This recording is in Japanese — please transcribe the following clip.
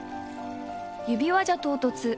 指輪じゃ唐突。